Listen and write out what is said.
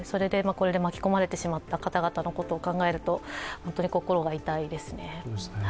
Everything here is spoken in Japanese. これで巻き込まれてしまった方々のことを考えると本当に心が痛いですね。